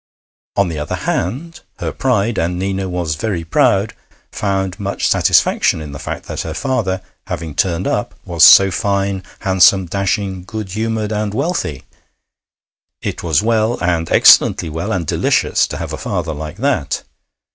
On the other hand, her pride and Nina was very proud found much satisfaction in the fact that her father, having turned up, was so fine, handsome, dashing, good humoured, and wealthy. It was well, and excellently well, and delicious, to have a father like that.